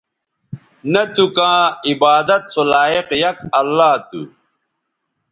نہ تھو کاں عبادت سو لائق یک اللہ تھو